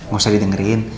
gak usah didengerin